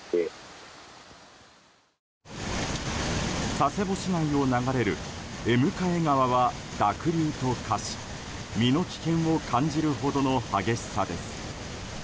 佐世保市内を流れる江迎川は濁流と化し身の危険を感じるほどの激しさです。